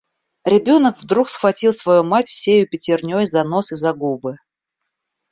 Ребенок вдруг схватил свою мать всею пятерней за нос и за губы.